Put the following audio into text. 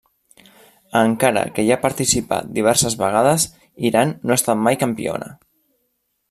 Encara que hi ha participat diverses vegades, Iran no ha estat mai campiona.